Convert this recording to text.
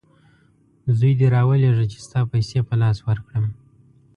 زوی دي راولېږه چې ستا پیسې په لاس ورکړم!